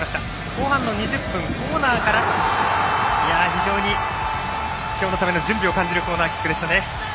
後半の２０分コーナーから非常に今日のための準備を感じるコーナーキックでしたね。